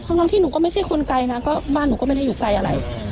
ทั้งที่หนูก็ไม่ใช่คนไกลนะก็บ้านหนูก็ไม่ได้อยู่ไกลอะไร